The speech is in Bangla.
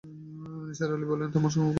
নিসার আলি বললেন, আমার সঙ্গে কোনো সম্পর্ক নেই।